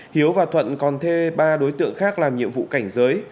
hiếu và thuận còn thuê ba đối tượng khác làm nhiệm vụ cảnh giới